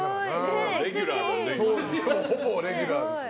ほぼレギュラーですね。